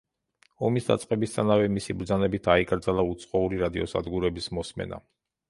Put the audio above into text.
ომის დაწყებისთანავე მისი ბრძანებით აიკრძალა უცხოური რადიოსადგურების მოსმენა.